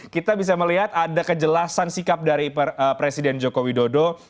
kita bisa melihat ada kejelasan sikap dari presiden joko widodo